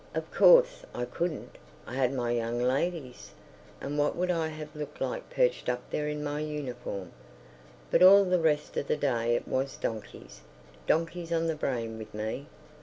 ... Of course, I couldn't. I had my young ladies. And what would I have looked like perched up there in my uniform? But all the rest of the day it was donkeys—donkeys on the brain with me.